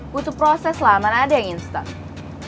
butuh proses lah mana ada yang instan